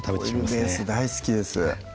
オイルベース大好きです